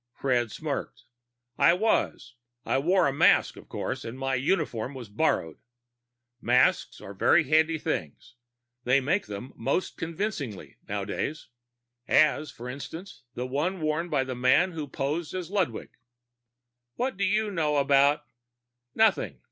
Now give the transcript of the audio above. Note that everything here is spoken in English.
Fred smirked. "I was. I wore a mask, of course, and my uniform was borrowed. Masks are very handy things. They make them most convincingly, nowadays. As, for instance, the one worn by the man who posed as Ludwig." "What do you know about " "_Nothing.